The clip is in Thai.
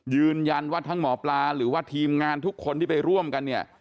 ยืนยันว่าทั้งหมอปลาหรือว่าทีมงานทุกคนที่ไปร่วมกันเนี่ย